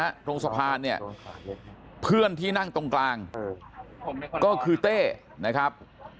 มันก็คือฟิลสภานเนี่ยเพื่อนที่นั่งตรงกลางก็คือเต้นะครับ